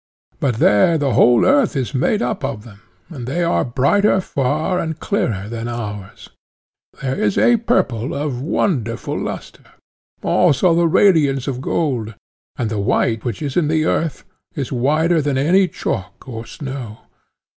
But there the whole earth is made up of them, and they are brighter far and clearer than ours; there is a purple of wonderful lustre, also the radiance of gold, and the white which is in the earth is whiter than any chalk or snow.